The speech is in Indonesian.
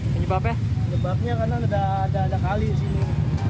penyebabnya ada kali di sini